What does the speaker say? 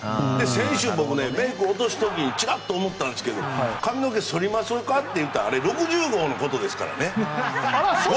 先週、僕、メイクを落とす時にちらっと思ったんですけど髪の毛剃りましょうかって言ったのはあれ、６０号のことですからね。